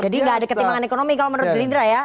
jadi nggak ada ketimbangan ekonomi kalau menurut belinda ya